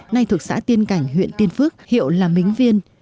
nay thuộc xã tiên cảnh huyện tiên phước hiệu là mính viên